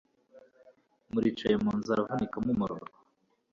muricaye mu nzu, aravunika mumurora